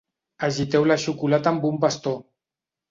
Agiteu la xocolata amb un bastó.